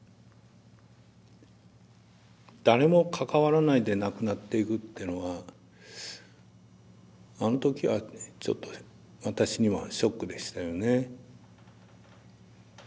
誰も関わらないで亡くなっていくっていうのはあの時はちょっと私にはショックでしたよね。